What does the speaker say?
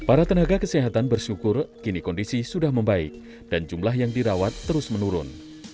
para tenaga kesehatan bersyukur kini kondisi sudah membaik dan jumlah yang dirawat terus menurun